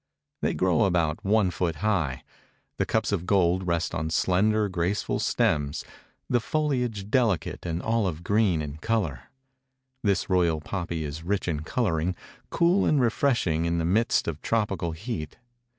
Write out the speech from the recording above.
They grow about one foot high. The cups of gold rest on slender, graceful stems; the foliage delicate and olive green in color. This royal poppy is rich in coloring, cool and refreshing in the midst of tropical heat.